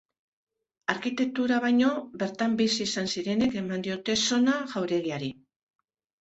Arkitekturak baino, bertan bizi izan zirenek eman diote sona jauregiari.